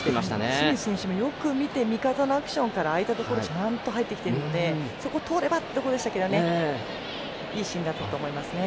清水選手も、よく見て味方のアクションから空いたところチャンスはいっていたので通ればというところでしたがいいシーンだったと思います。